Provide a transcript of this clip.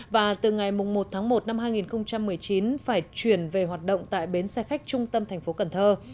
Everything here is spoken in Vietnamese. và từ ngày một tháng một năm hai nghìn một mươi chín phải chuyển về hoạt động tại bến xe khách trung tâm thành phố cần thơ